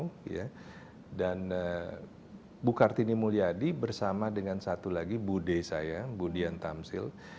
ambil ada ibuieli mulyadi bersama dengan satu lagi budi saya budi antamsil